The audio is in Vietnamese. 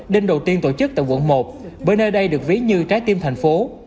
đêm đầu tiên tổ chức tại quận một bởi nơi đây được ví như trái tim thành phố